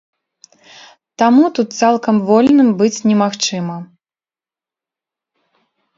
Таму тут цалкам вольным быць немагчыма.